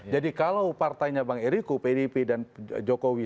jadi kalau partainya bang eriko pdip dan jokowi